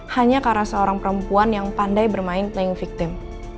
hanya karena seorang perempuan yang pandai bermain playing victim